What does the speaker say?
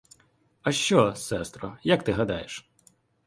А що, сестро, як ти гадаєш?